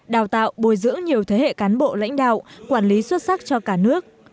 đào tạo bồi dưỡng nhiều thế hệ cán bộ lãnh đạo quản lý xuất sắc cho cả nước